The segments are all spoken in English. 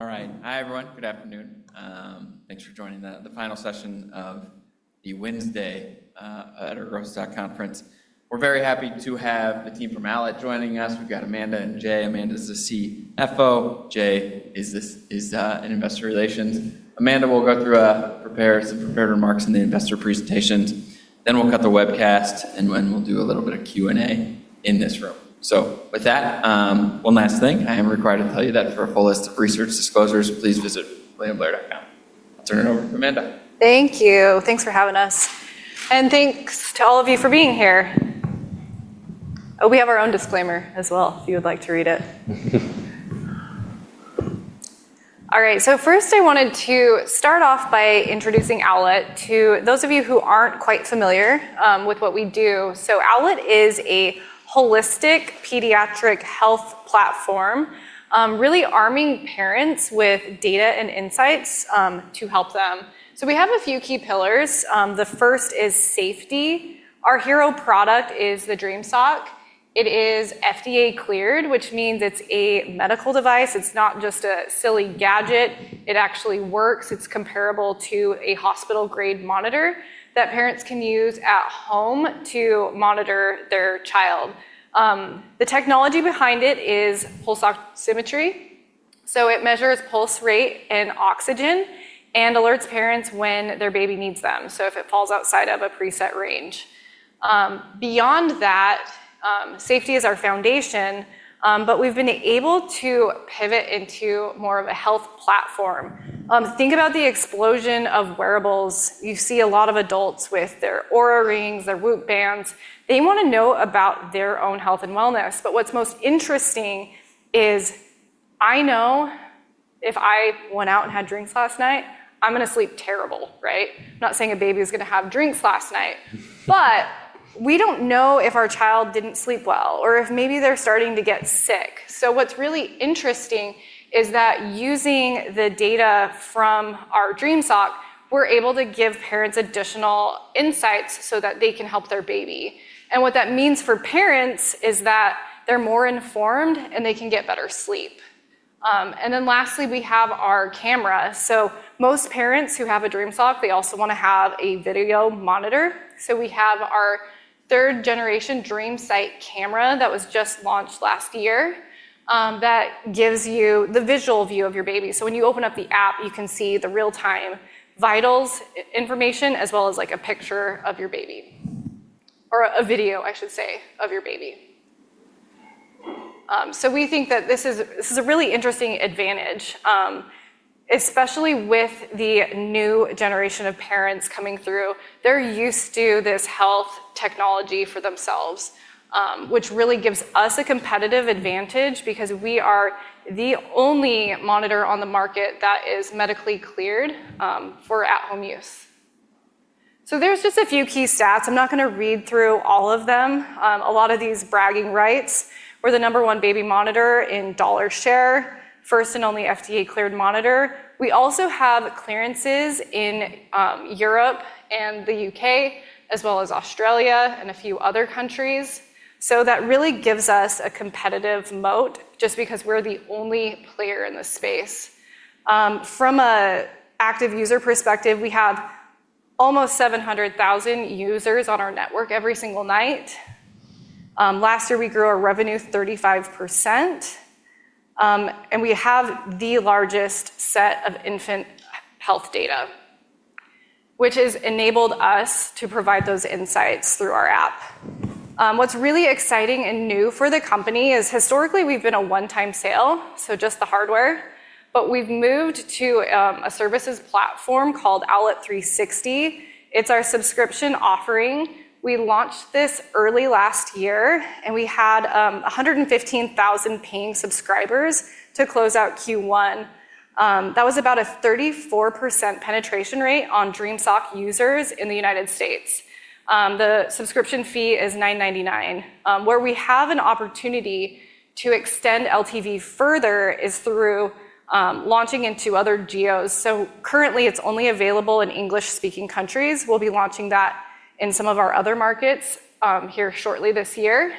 All right. Hi, everyone. Good afternoon. Thanks for joining the final session of the Wednesday at our Growth Conference. We're very happy to have the team from Owlet joining us. We've got Amanda and Jay. Amanda's the CFO. Jay is in Investor Relations. Amanda will go through some prepared remarks in the investor presentations. We'll cut the webcast, and when we'll do a little bit of Q&A in this room. With that, one last thing, I am required to tell you that for a full list of research disclosures, please visit williamblair.com. I'll turn it over to Amanda. Thank you. Thanks for having us. Thanks to all of you for being here. We have our own disclaimer as well, if you would like to read it. All right, first I wanted to start off by introducing Owlet to those of you who aren't quite familiar with what we do. Owlet is a holistic pediatric health platform, really arming parents with data and insights to help them. We have a few key pillars. The first is safety. Our hero product is the Dream Sock. It is FDA cleared, which means it's a medical device. It's not just a silly gadget. It actually works. It's comparable to a hospital-grade monitor that parents can use at home to monitor their child. The technology behind it is pulse oximetry, so it measures pulse rate and oxygen and alerts parents when their baby needs them, so if it falls outside of a preset range. Beyond that, safety is our foundation, but we've been able to pivot into more of a health platform. Think about the explosion of wearables. You see a lot of adults with their Oura Ring, their WHOOP Bands. They want to know about their own health and wellness. What's most interesting is I know if I went out and had drinks last night, I'm going to sleep terrible, right? I'm not saying a baby was going to have drinks last night, but we don't know if our child didn't sleep well or if maybe they're starting to get sick. What's really interesting is that using the data from our Dream Sock, we're able to give parents additional insights so that they can help their baby. What that means for parents is that they're more informed and they can get better sleep. Lastly, we have our camera. Most parents who have a Dream Sock, they also want to have a video monitor. We have our third generation Dream Sight camera that was just launched last year that gives you the visual view of your baby. When you open up the app, you can see the real-time vitals information as well as a picture of your baby, or a video, I should say, of your baby. We think that this is a really interesting advantage, especially with the new generation of parents coming through. They're used to this health technology for themselves, which really gives us a competitive advantage because we are the only monitor on the market that is medically cleared for at-home use. There's just a few key stats. I'm not going to read through all of them. A lot of these bragging rights. We're the number one baby monitor in dollar share, first and only FDA-cleared monitor. We also have clearances in Europe and the U.K., as well as Australia and a few other countries. That really gives us a competitive moat just because we're the only player in this space. From an active user perspective, we have almost 700,000 users on our network every single night. Last year, we grew our revenue 35%, and we have the largest set of infant health data, which has enabled us to provide those insights through our app. What's really exciting and new for the company is historically, we've been a one-time sale, so just the hardware, but we've moved to a services platform called Owlet360. It's our subscription offering. We launched this early last year. We had 115,000 paying subscribers to close out Q1. That was about a 34% penetration rate on Dream Sock users in the United States. The subscription fee is $9.99. Where we have an opportunity to extend LTV further is through launching into other geos. Currently, it's only available in English-speaking countries. We'll be launching that in some of our other markets here shortly this year.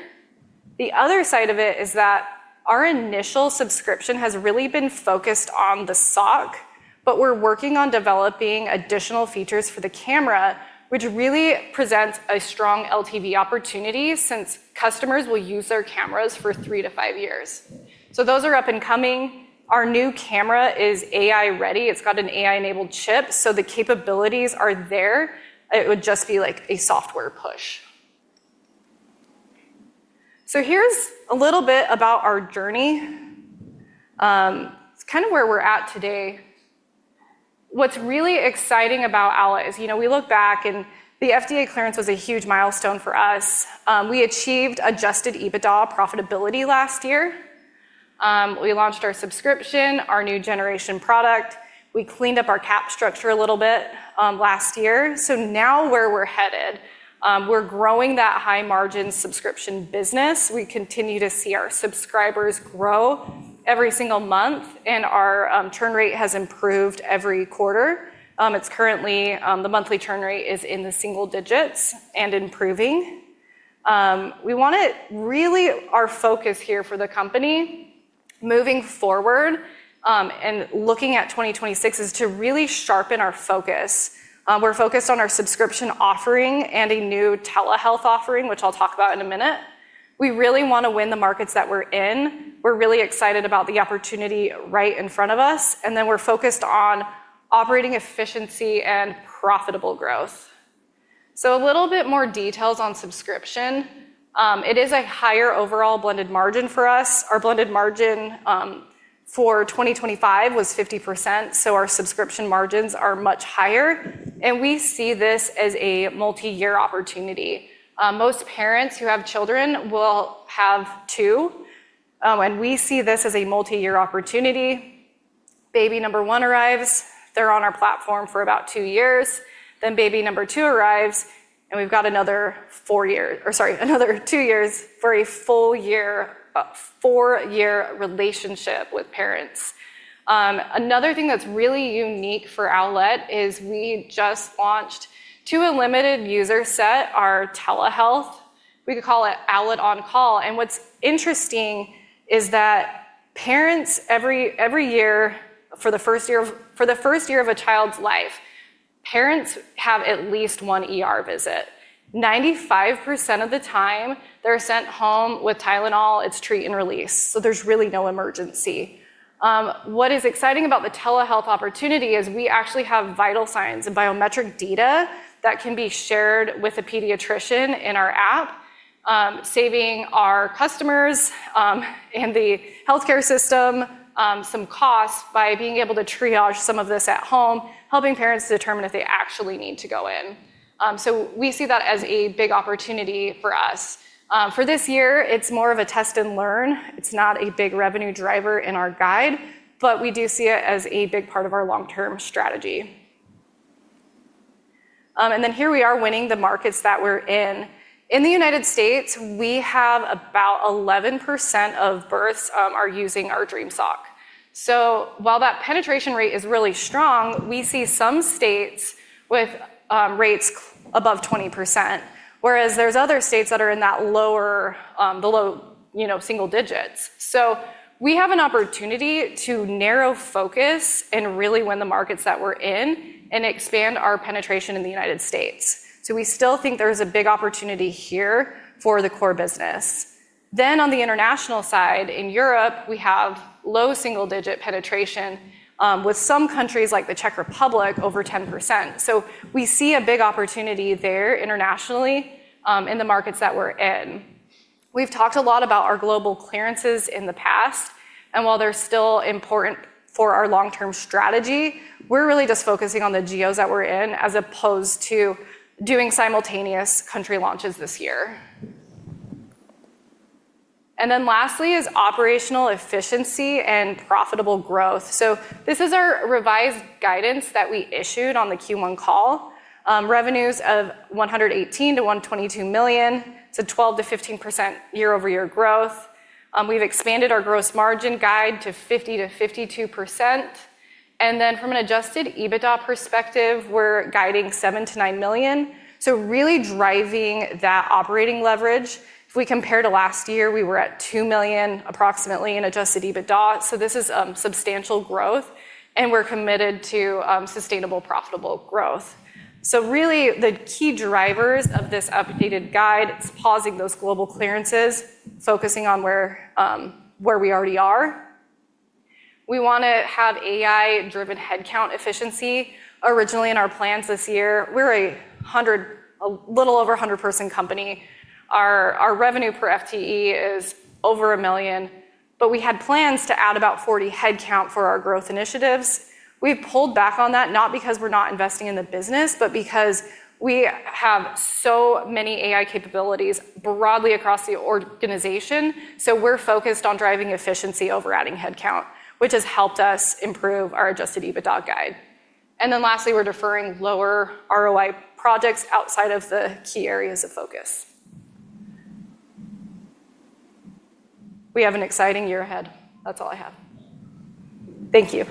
The other side of it is that our initial subscription has really been focused on the sock, but we're working on developing additional features for the camera, which really presents a strong LTV opportunity since customers will use their cameras for three to five years. Those are up and coming. Our new camera is AI-ready. It's got an AI-enabled chip, so the capabilities are there. It would just be a software push. Here's a little bit about our journey. It's kind of where we're at today. What's really exciting about Owlet is we look back, and the FDA clearance was a huge milestone for us. We achieved adjusted EBITDA profitability last year. We launched our subscription, our new generation product. We cleaned up our cap structure a little bit last year. Now where we're headed, we're growing that high-margin subscription business. We continue to see our subscribers grow every single month, and our churn rate has improved every quarter. The monthly churn rate is in the single digits and improving. Our focus here for the company moving forward, and looking at 2026 is to really sharpen our focus. We're focused on our subscription offering and a new telehealth offering, which I'll talk about in a minute. We really want to win the markets that we're in. We're really excited about the opportunity right in front of us, and then we're focused on operating efficiency and profitable growth. A little bit more details on subscription. It is a higher overall blended margin for us. Our blended margin for 2025 was 50%, so our subscription margins are much higher, and we see this as a multi-year opportunity. Most parents who have children will have two, and we see this as a multi-year opportunity. Baby number one arrives. They're on our platform for about two years, then baby number two arrives, and we've got another two years for a full four-year relationship with parents. Another thing that's really unique for Owlet is we just launched to a limited user set our telehealth. We could call it Owlet OnCall. What's interesting is that parents every year, for the first year of a child's life, parents have at least one ER visit. 95% of the time they're sent home with Tylenol, it's treat and release, so there's really no emergency. What is exciting about the telehealth opportunity is we actually have vital signs and biometric data that can be shared with a pediatrician in our app, saving our customers, and the healthcare system some costs by being able to triage some of this at home, helping parents determine if they actually need to go in. We see that as a big opportunity for us. For this year, it's more of a test and learn. It's not a big revenue driver in our guide, but we do see it as a big part of our long-term strategy. Here we are winning the markets that we're in. In the United States, we have about 11% of births are using our Dream Sock. While that penetration rate is really strong, we see some states with rates above 20%, whereas there's other states that are in that lower, below single digits. We have an opportunity to narrow focus and really win the markets that we're in and expand our penetration in the U.S. We still think there's a big opportunity here for the core business. On the international side, in Europe, we have low single digit penetration, with some countries like the Czech Republic over 10%. We see a big opportunity there internationally, in the markets that we're in. We've talked a lot about our global clearances in the past, and while they're still important for our long-term strategy, we're really just focusing on the geos that we're in as opposed to doing simultaneous country launches this year. Lastly is operational efficiency and profitable growth. This is our revised guidance that we issued on the Q1 call. Revenues of $118 million to $122 million, so 12%-15% year-over-year growth. We've expanded our gross margin guide to 50%-52%. From an adjusted EBITDA perspective, we're guiding $7 million to $9 million. Really driving that operating leverage. If we compare to last year, we were at $2 million approximately in adjusted EBITDA, so this is substantial growth and we're committed to sustainable, profitable growth. Really the key drivers of this updated guide, it's pausing those global clearances, focusing on where we already are. We want to have AI driven headcount efficiency. Originally in our plans this year, we're a little over a 100 person company. Our revenue per FTE is over $1 million. We had plans to add about 40 headcount for our growth initiatives. We've pulled back on that, not because we're not investing in the business, but because we have so many AI capabilities broadly across the organization. We're focused on driving efficiency over adding headcount, which has helped us improve our adjusted EBITDA guide. Lastly, we're deferring lower ROI projects outside of the key areas of focus. We have an exciting year ahead. That's all I have. Thank you